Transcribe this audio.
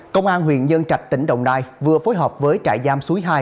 công an huyện nhân trạch tỉnh đồng nai vừa phối hợp với trại giam suối hai